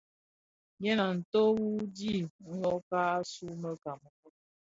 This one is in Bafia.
Gèn a nto u dhid nwokag, asuu mun Kameroun,